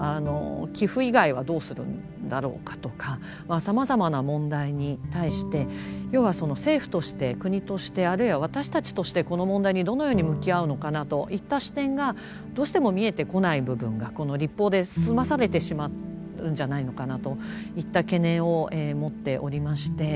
寄附以外はどうするんだろうかとかまあさまざまな問題に対して要はその政府として国としてあるいは私たちとしてこの問題にどのように向き合うのかなといった視点がどうしても見えてこない部分がこの立法で済まされてしまうんじゃないのかなといった懸念を持っておりまして。